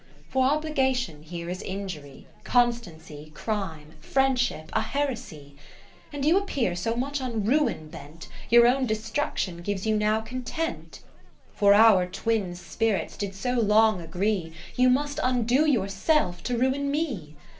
For Obligation here is Injury, Constancy Crime, Friendship a Heresy. And you appear so much on ruin bent, Your own destruction gives you now Content : For our twin spirits did so long agree, You must undo yourself to ruin me.